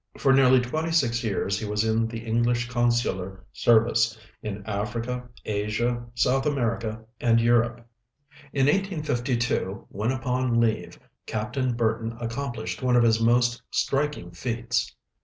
For nearly twenty six years he was in the English consular service in Africa, Asia, South America, and Europe. [Illustration: RICHARD BURTON] In 1852, when upon leave, Captain Burton accomplished one of his most striking feats.